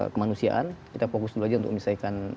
kemanusiaan kita fokus dulu aja untuk menyelesaikan